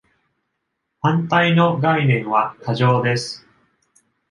反対の概念は過剰です。